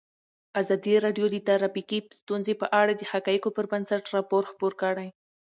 ازادي راډیو د ټرافیکي ستونزې په اړه د حقایقو پر بنسټ راپور خپور کړی.